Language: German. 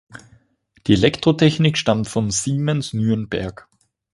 Die Elektrotechnik stammt von Siemens Nürnberg.